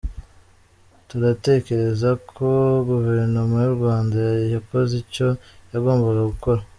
Turatekereza ko guverinoma y’u Rwanda yakoze icyo yagomabaga gukora.